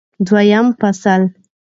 دوهم فصل